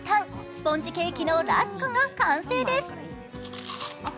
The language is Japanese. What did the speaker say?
スポンジケーキのラスクが完成です。